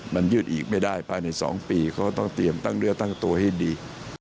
มันยืดอีกไม่ได้ภายใน๒ปีเขาก็ต้องเตรียมตั้งเนื้อตั้งตัวให้ดี